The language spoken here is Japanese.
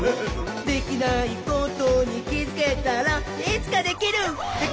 「できないことにきづけたらいつかできるひゃっほ」